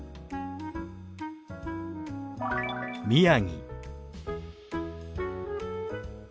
「宮城」。